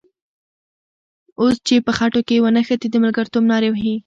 اوس چې په خټو کې ونښتې د ملګرتوب نارې وهې.